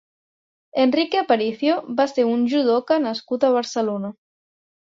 Enrique Aparicio va ser un judoka nascut a Barcelona.